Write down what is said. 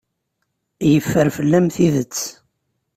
Yeffer fell-am tidet.